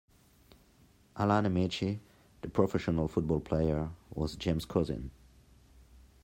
Alan Ameche, the professional football player, was Jim's cousin.